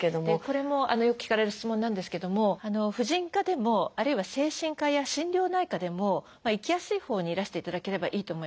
これもよく聞かれる質問なんですけども婦人科でもあるいは精神科や心療内科でも行きやすいほうにいらしていただければいいと思います。